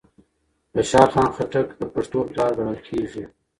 خوشحال خان خټک د پښتو پلار ګڼل کېږي